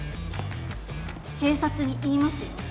警察に言いますよ